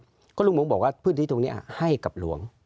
พระธรรมนธึกกันเนี่ยก็รุงมงค์บอกว่าพื้นที่ตรงเนี่ยให้กับหลวง